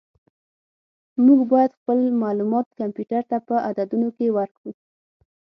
موږ باید خپل معلومات کمپیوټر ته په عددونو کې ورکړو.